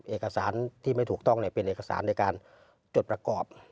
เอกสารที่ไม่ถูกต้องเป็นเอกสารในการจดประกอบ